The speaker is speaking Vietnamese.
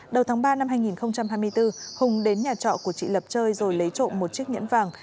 đầu tháng ba năm hai nghìn hai mươi bốn hùng đến nhà trọ của chị lập chơi rồi lấy trộm một chiếc nhẫn vàng